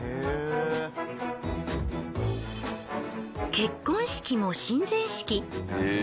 結婚式も神前式。